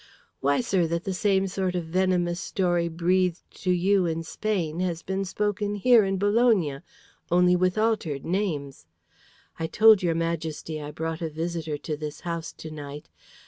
"Why, sir, that the same sort of venomous story breathed to you in Spain has been spoken here in Bologna, only with altered names. I told your Majesty I brought a visitor to this house to night.